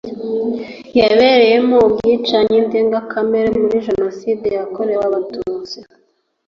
yabereyemo ubwicanyi ndengakamere muri Jenoside yakorewe Abatutsi